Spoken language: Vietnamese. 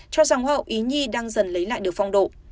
cho dòng hoa hậu ý nhi đang dần lấy lại được phong độ